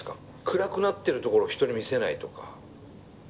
暗くなってるところを人に見せないとか。